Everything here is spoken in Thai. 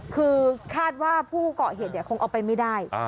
คือคาดว่าผู้เกาะเหตุเนี่ยคงออกไปไม่ได้อ่า